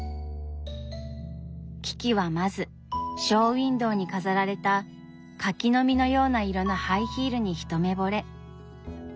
キキはまずショーウインドーに飾られた「柿の実のような色のハイヒール」に一目ぼれ。